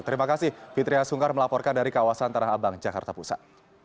terima kasih fitriah sungkar melaporkan dari kawasan tanah abang jakarta pusat